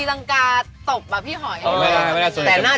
เล่นกันบนชายหาด